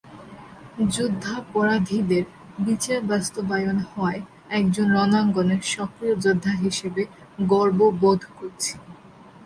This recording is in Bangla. যুদ্ধাপরাধীদের বিচার বাস্তবায়ন হওয়ায় একজন রণাঙ্গনের সক্রিয় যোদ্ধা হিসেবে গর্ববোধ করছি।